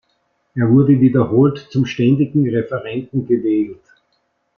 Er wurde wiederholt zum Ständigen Referenten gewählt.